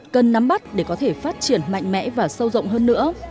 cần nắm bắt để có thể phát triển mạnh mẽ và sâu rộng hơn nữa